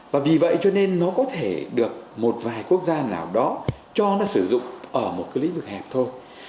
và vì vậy cho nên nó có thể được một vài quốc gia nào đó cho nó sử dụng ở một cái lĩnh vực hẹp thôi